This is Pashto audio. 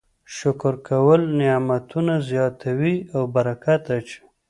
شکر کول نعمتونه زیاتوي او برکت اچوي.